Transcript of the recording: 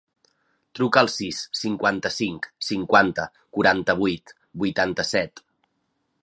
Truca al sis, cinquanta-cinc, cinquanta, quaranta-vuit, vuitanta-set.